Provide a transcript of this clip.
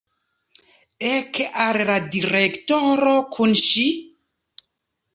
Ek al la direktoro kun ŝi!